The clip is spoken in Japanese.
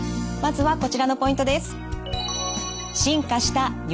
まずはこちらのポイントです。